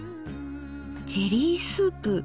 ジェリースープ。